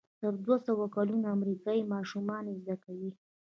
تر دوهسوه کلونو امریکایي ماشومان یې زده کوي.